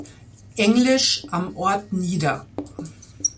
English, am Ort nieder.